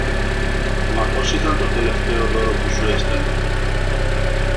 μα πως ήταν το τελευταίο δώρο που σου έστελνε